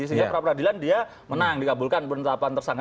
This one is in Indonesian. sehingga peradilan dia menang dikabulkan penetapan tersangka